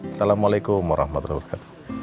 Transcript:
assalamualaikum warahmatullahi wabarakatuh